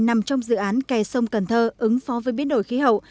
nằm trong dự án kè sông cần thơ ứng phó với biến đổi khí hậu